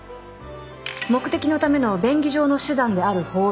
目的のための便宜上の手段である方便。